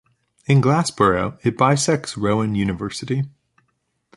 In Glassboro, it bisects Rowan University.